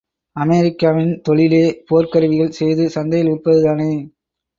அமெரிக்காவின் தொழிலே போர்க் கருவிகள் செய்து சந்தையில் விற்பது தானே!